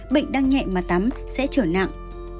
bệnh đang nhẹ mà tắm sẽ trở nặng